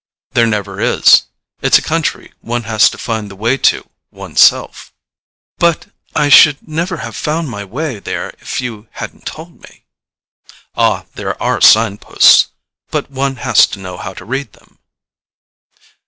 "There never is—it's a country one has to find the way to one's self." "But I should never have found my way there if you hadn't told me." "Ah, there are sign posts—but one has to know how to read them."